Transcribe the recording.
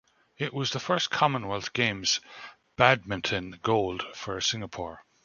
It was the first Commonwealth Games badminton gold for Singapore.